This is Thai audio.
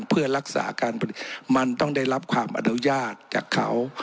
เพื่อรักษาการผลิตมันต้องได้รับความอนุญาตจากเขา